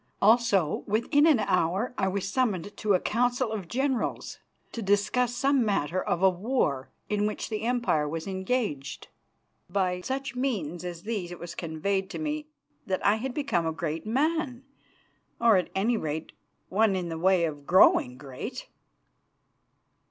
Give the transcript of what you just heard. Also, within an hour, I was summoned to a council of generals to discuss some matter of a war in which the Empire was engaged. By such means as these it was conveyed to me that I had become a great man, or, at any rate, one in the way of growing great.